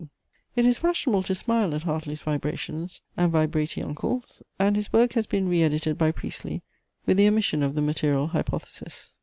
It is fashionable to smile at Hartley's vibrations and vibratiuncles; and his work has been re edited by Priestley, with the omission of the material hypothesis.